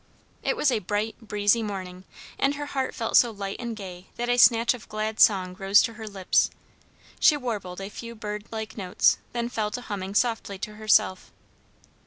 It was a bright, breezy morning, and her heart felt so light and gay that a snatch of glad song rose to her lips. She warbled a few bird like notes, then fell to humming softly to herself.